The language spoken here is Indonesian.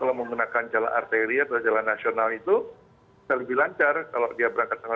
jalan tol yang diberikan jalan arteria atau jalan nasional itu lebih lancar kalau dia berangkat dua puluh tujuh dua puluh delapan masih